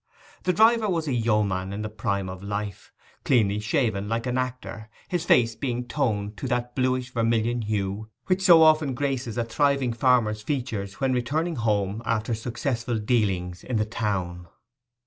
The driver was a yeoman in the prime of life, cleanly shaven like an actor, his face being toned to that bluish vermilion hue which so often graces a thriving farmer's features when returning home after successful dealings in the town.